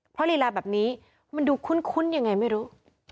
เพราะลีลาแบบนี้มันดูคุ้นยังไงไม่รู้